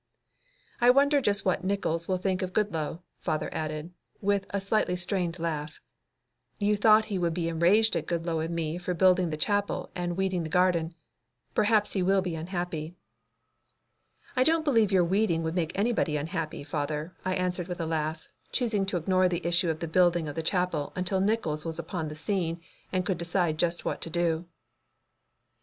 "I wonder just what Nickols will think of Goodloe," father added, with a slightly strained laugh. "You thought he would be enraged at Goodloe and me for building the chapel and weeding the garden. Perhaps he will be unhappy." "I don't believe your weeding would make anybody unhappy, father," I answered with a laugh, choosing to ignore the issue of the building of the chapel until Nickols was upon the scene and we could decide just what to do.